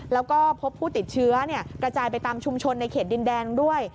แล้วก็พบผู้ติดเชื้อกระจายไปตามชุมชนในเขตดินแดงด้วย